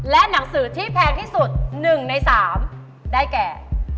และหนังสือที่แพงที่สุด๑ใน๓ได้แก่